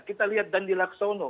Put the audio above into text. kita lihat dandi laksono